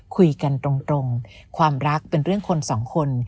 คุยกันตรงความรักเป็นเรื่องคนสองคน